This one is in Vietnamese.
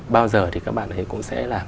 bao giờ thì các bạn ấy cũng sẽ là